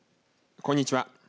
こんにちは。